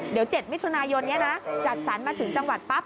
เดี๋ยว๗มิถุนายนนี้นะจัดสรรมาถึงจังหวัดปั๊บ